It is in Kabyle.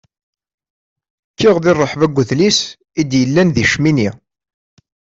Kkiɣ deg rreḥba n udlis i d-yellan deg Cmini.